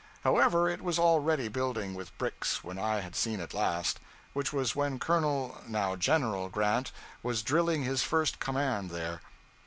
However, it was already building with bricks when I had seen it last which was when Colonel (now General) Grant was drilling his first command there.